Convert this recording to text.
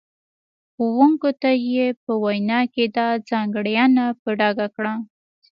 ښوونکو ته یې په وینا کې دا ځانګړنه په ډاګه کړه.